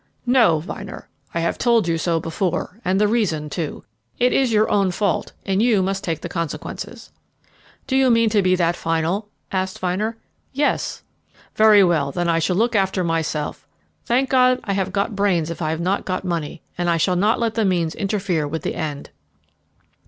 "No, Vyner, I have told you so before, and the reason too. It is your own fault, and you must take the consequences." "Do you mean that to be final?" asked Vyner. "Yes." "Very well, then I shall look after myself. Thank God, I have got brains if I have not money, and I shall not let the means interfere with the end."